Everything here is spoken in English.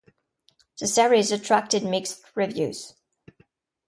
The series attracted mixed reviews.